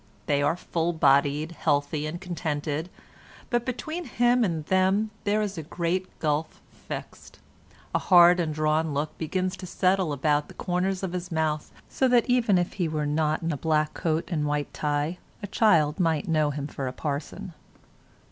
They are full bodied, healthy and contented; but between him and them there is a great gulf fixed. A hard and drawn look begins to settle about the corners of his mouth, so that even if he were not in a black coat and white tie a child might know him for a parson.